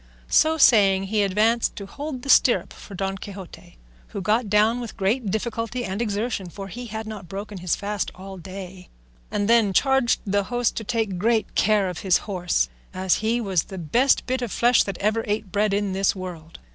So saying, he advanced to hold the stirrup for Don Quixote, who got down with great difficulty and exertion (for he had not broken his fast all day), and then charged the host to take great care of his horse, as he was the best bit of flesh that ever ate bread in this world.